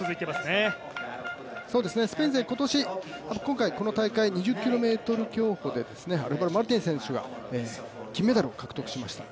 スペイン勢今年今回、この大会２０ｋｍ競歩でマルティン選手が、金メダルを獲得しました。